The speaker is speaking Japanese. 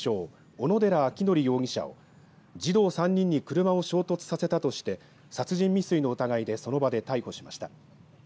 小野寺章仁容疑者を児童３人に車を衝突させたとして殺人未遂の疑いでその場で逮捕しました。